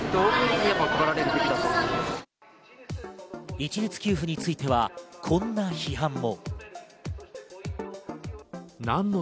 一律給付についてはこんな批判も。